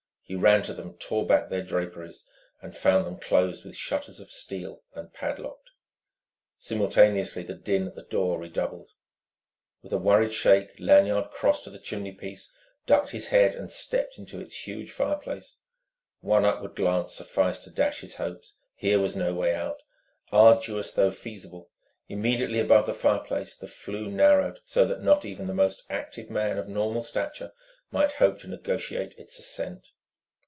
He ran to them, tore back their draperies, and found them closed with shutters of steel and padlocked. Simultaneously the din at the door redoubled. With a worried shake Lanyard crossed to the chimney piece, ducked his head, and stepped into its huge fireplace. One upward glance sufficed to dash his hopes: here was no way out, arduous though feasible; immediately above the fireplace the flue narrowed so that not even the most active man of normal stature might hope to negotiate its ascent.